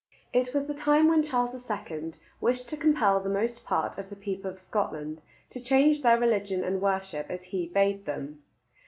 It was the time when Charles II wished to compel the most part of the people of Scotland to change their religion and worship as he bade them.